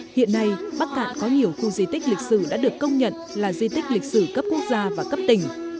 hiện nay bắc cạn có nhiều khu di tích lịch sử đã được công nhận là di tích lịch sử cấp quốc gia và cấp tỉnh